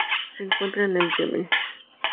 Se encuentra en el Yemen.